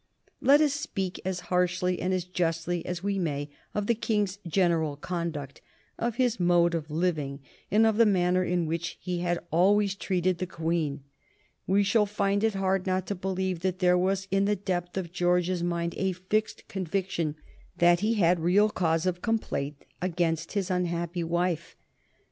Let us speak as harshly and as justly as we may of the King's general conduct, of his mode of living, and of the manner in which he had always treated the Queen, we shall find it hard not to believe that there was in the depth of George's mind a fixed conviction that he had real cause of complaint against his unhappy wife.